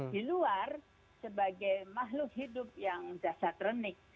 di luar sebagai makhluk hidup yang dasar kronik